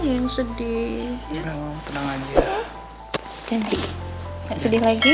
ya udah mama doain